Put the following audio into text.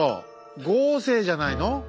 豪勢じゃないの。